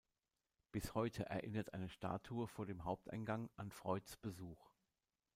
Bis heute erinnert eine Statue vor dem Haupteingang an Freuds Besuch.